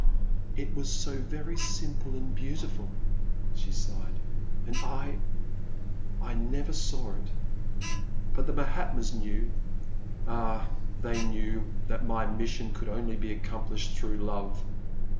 It was so very simple and beautiful,'* she sighed, and I — I never saw it. But the Ma hatmas knew — ah, they knew that my mission could only be accomplished through love.